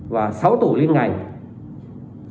và sáu tổ liên ngành